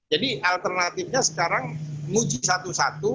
jadi alternatifnya sekarang nguci satu satu